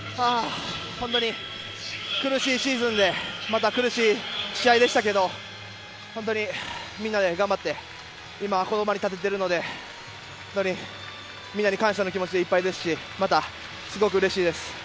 本当に苦しいシーズンで、苦しい試合でしたけど、みんなで頑張って、今この場に立てているので、みんなに感謝の気持ちでいっぱいですし、すごくうれしいです。